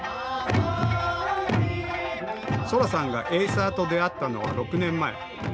青空さんがエイサーと出会ったのは６年前。